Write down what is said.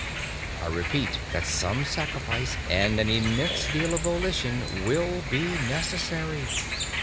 I repeat that some sacrifice, and an immense deal of volition, will be necessary.